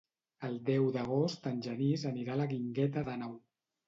El deu d'agost en Genís anirà a la Guingueta d'Àneu.